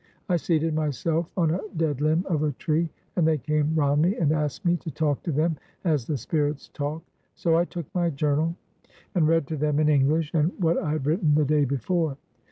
I seated myself on a dead limb of a tree, and they came round me and asked me to talk to them as the spirits talk. So I took my journal, and read to them in EngUsh what I had written the day before.